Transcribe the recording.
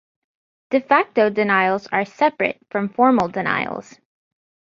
De facto denials are separate from formal denials.